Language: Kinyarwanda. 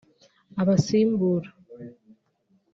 Abasimbura